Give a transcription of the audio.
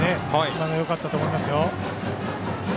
今のよかったと思いますよ。